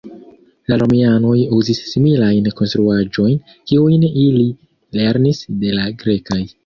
La Romianoj uzis similajn konstruaĵojn, kiujn ili lernis de la grekaj.